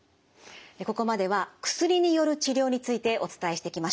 ここまでは薬による治療についてお伝えしてきました。